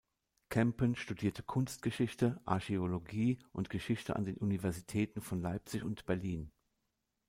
Kempen studierte Kunstgeschichte, Archäologie und Geschichte an den Universitäten von Leipzig und Berlin.